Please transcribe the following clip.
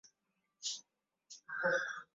watoto milioni kumi na saba walipoteza wazazi wao